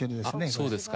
そうですか。